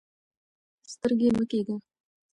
سترګۍ مه کیږئ.